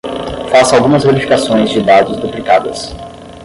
Faça algumas verificações de dados duplicadas